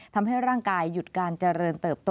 ทำให้ร่างกายหยุดการเจริญเติบโต